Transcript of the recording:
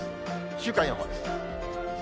週間予報です。